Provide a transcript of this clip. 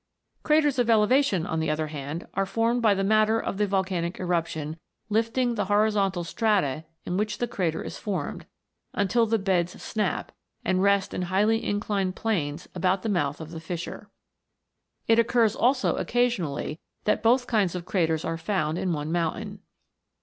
Craters of elevation, on the other hand, are formed by the matter of the volcanic eruption lifting the horizontal strata in which the crater is formed, until u 290 PLUTO'S KINGDOM. the beds snap, and rest in highly inclined planes about the mouth of the fissure. It occurs also occasionally that both kinds of craters are found in one mountain.